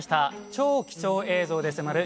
「超貴重映像で迫る！